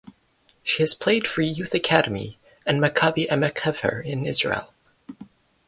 She has played for Youth Academy and Maccabi Emek Hefer in Israel.